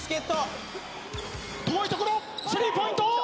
遠いところスリーポイント！